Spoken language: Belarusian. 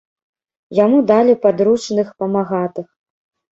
Яму далі падручных памагатых.